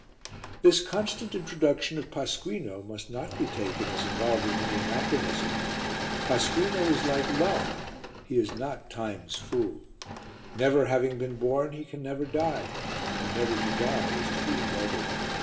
This constant introduction of Pasquino must not be taken as involving any anachronism. Pasquino is like Love, he is not Time's fool. Never having been born, he can never die, and never to die is to be immortal.